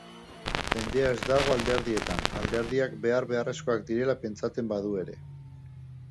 Jendea ez dago alderdietan, alderdiak behar-beharrezkoak direla pentsatzen badu ere.